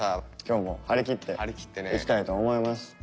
今日も張り切っていきたいと思います。